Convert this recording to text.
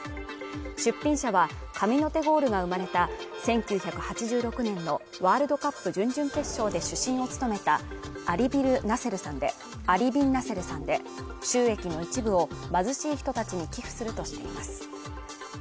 出品者は神の手ゴールが生まれた１９８６年のワールドカップ準々決勝で主審を務めたアリ・ビン・ナセルさんで収益の一部を貧しい人達に寄付するとしています